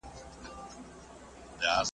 یوه نه زر خاطرې ,